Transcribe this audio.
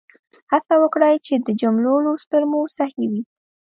هڅه وکړئ چې د جملو لوستل مو صحیح وي.